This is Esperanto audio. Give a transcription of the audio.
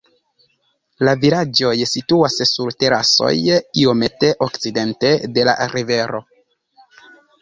La vilaĝoj situas sur terasoj iomete okcidente de la rivero.